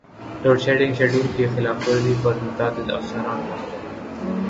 load shedding schedule کی خلاف ورزی پر متعدد افسران معطل